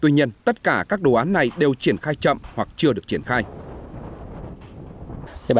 tuy nhiên tất cả các đồ án này đều triển khai chậm hoặc chưa được triển khai